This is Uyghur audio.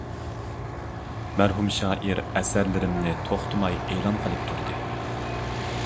مەرھۇم شائىر ئەسەرلىرىمنى توختىماي ئېلان قىلىپ تۇردى.